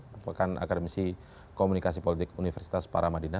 bupakan akademisi komunikasi politik universitas parah madinah